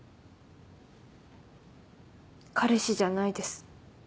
彼氏じゃないです